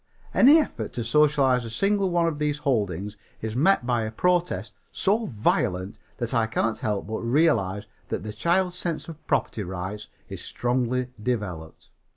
Any effort to socialize a single one of these holdings is met by a protest so violent that I cannot help but realize that the child's sense of property rights is strongly developed.